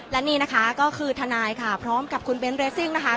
และนี่นะคะก็คือทนายค่ะพร้อมกับคุณเบ้นเรซิ่งนะคะ